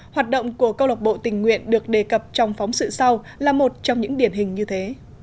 hoạt động của câu lọc bộ tình nguyện được đề cập trong phóng sự sau là một trong những điển hình như thế